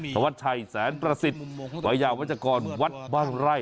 ธวัชชัยแสนประสิทธิ์วัยยาวัชกรวัดบ้านไร่